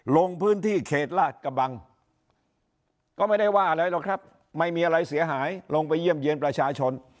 ลงพื้นที่เขตลาดกระบังก็ไม่ได้ว่าอะไรหรอกครับไม่มีอะไรเสียหายลงไปเยี่ยมเยี่ยมประชาชน